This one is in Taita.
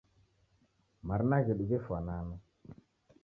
Marina ghedu ghefwanana.